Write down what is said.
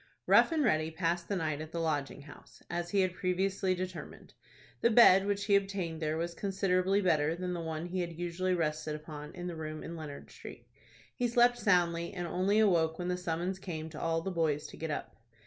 Rough and Ready passed the night at the Lodging House, as he had previously determined. The bed which he obtained there was considerably better than the one he had usually rested upon in the room in Leonard Street. He slept soundly, and only awoke when the summons came to all the boys to get up.